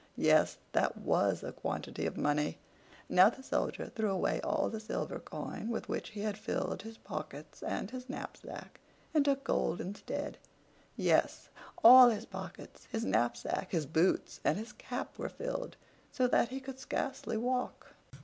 Yes, that was a quantity of money! Now the Soldier threw away all the silver coin with which he had filled his pockets and his knapsack, and took gold instead; yes, all his pockets, his knapsack, his boots, and his cap were filled, so that he could scarcely walk.